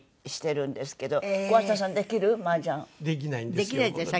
できないんですよ。